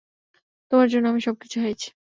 তোমার জন্য আমি সবকিছু হারিয়েছি।